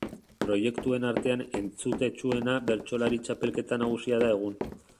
Proiektuen artean entzutetsuena Bertsolari Txapelketa Nagusia da egun.